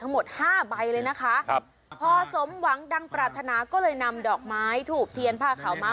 ห้าใบเลยนะคะครับพอสมหวังดังปรารถนาก็เลยนำดอกไม้ถูกเทียนผ้าขาวม้า